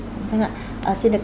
xin được cảm ơn tiến sĩ vũ đình